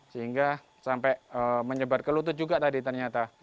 sehingga sampai menyebar ke lutut juga tadi ternyata